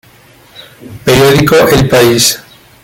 Periódico el país.